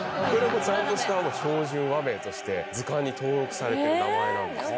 ちゃんとした標準和名として図鑑に登録されてる名前なんです。